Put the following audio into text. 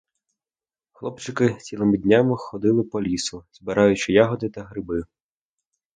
Хлопчики цілими днями ходили по лісу, збираючи ягоди та гриби.